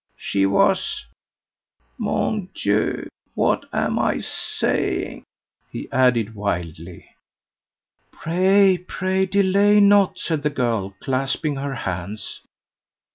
she was Mon Dieu! what am I saying?" he added wildly. "Pray, pray delay not!" said the girl, clasping her hands.